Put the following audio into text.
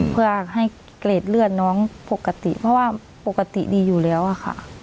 เพื่อให้เกรดเลือดน้องปกติเพราะว่าปกติดีอยู่แล้วค่ะ